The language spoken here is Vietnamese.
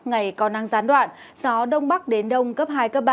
ngày còn nắng gián đoạn gió đông bắc đến đông cấp hai ba